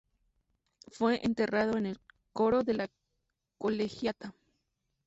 Fue enterrado en el coro de la colegiata.